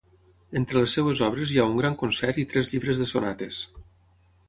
Entre les seves obres hi ha un gran concert i tres llibres de sonates.